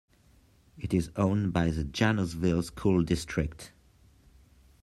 It is owned by the Janesville School District.